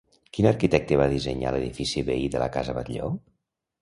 Quin arquitecte va dissenyar l'edifici veí de la casa Batlló?